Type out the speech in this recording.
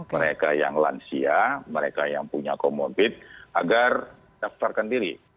mereka yang lansia mereka yang punya comorbid agar daftarkan diri